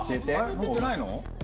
乗ってないの？